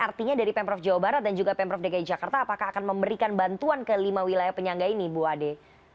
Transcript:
artinya dari pemprov jawa barat dan juga pemprov dki jakarta apakah akan memberikan bantuan ke lima wilayah penyangga ini bu ade